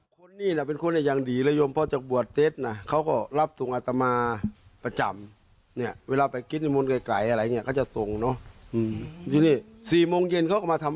คนนี้เป็นคนเนี่ยยังดีและยอมพ่อจักรบวชเต็ดนะเขาก็รับส่งอัตมาประจำเนี่ยเวลาไปกิจนิมนต์ไกลอะไรเนี่ยก็จะส่งเนาะ